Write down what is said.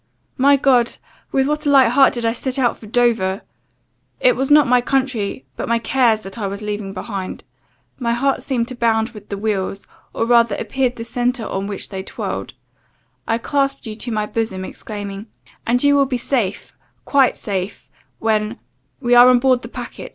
"My God, with what a light heart did I set out for Dover! It was not my country, but my cares, that I was leaving behind. My heart seemed to bound with the wheels, or rather appeared the centre on which they twirled. I clasped you to my bosom, exclaiming 'And you will be safe quite safe when we are once on board the packet.